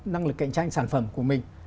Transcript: năng lực cạnh tranh sản phẩm của mình